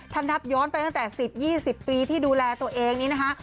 ท่านทัพย้อนไปตั้งแต่๑๐๒๐ปีที่ดูแลตัวเอง